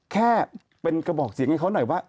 แค่เป็นกระบอกเสียงให้เขาหน่อยว่า